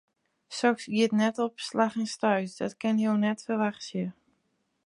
Soks giet net op slach en stuit, dat kinne jo net ferwachtsje.